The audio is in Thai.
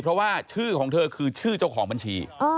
เพราะว่าชื่อของเธอคือชื่อเจ้าของบัญชี